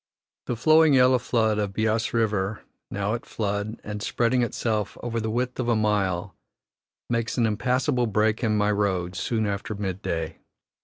The flowing yellow flood of Beas River, now at flood, and spreading itself over the width of a mile, makes an impassable break in my road soon after mid day.